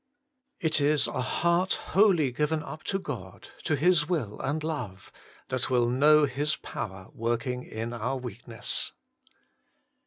3. It is a heart wholly given up to God, to His will and love, that will know His power working in our weakness.